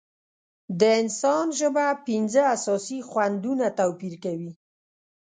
د انسان ژبه پنځه اساسي خوندونه توپیر کوي.